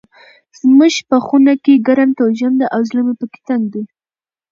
زموږ په خونه کې ګرم توژم ده او زړه مې پکي تنګ ده.